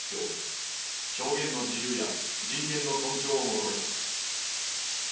表現の自由や人権の尊重を求めた。